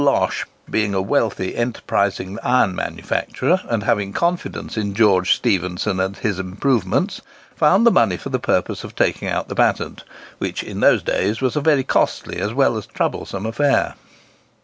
Losh being a wealthy, enterprising iron manufacturer, and having confidence in George Stephenson and his improvements, found the money for the purpose of taking out the patent, which, in those days, was a very costly as well as troublesome affair.